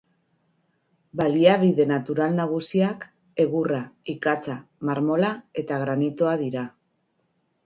Baliabide natural nagusiak egurra, ikatza, marmola eta granitoa dira.